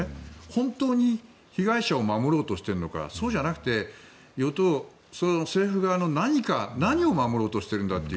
本当に被害者を守ろうとしているのかそうじゃなくて政府側の何を守ろうとしているんだと。